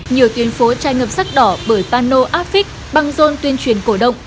nhiều tuyến phố chai ngập sắc đỏ bởi pano áp vích băng rôn tuyên truyền cổ động